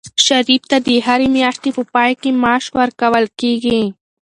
شریف ته د هرې میاشتې په پای کې معاش ورکول کېږي.